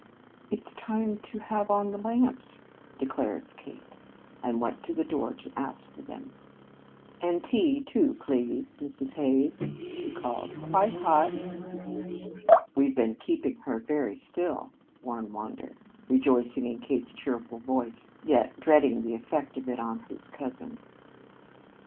"It's time to have in the lamps," declared Kate; and went to the door to ask for them. "And tea, too, please, Mrs. Hays," she called; "quite hot." "We've been keeping her very still," warned Wander, rejoicing in Kate's cheerful voice, yet dreading the effect of it on his cousin.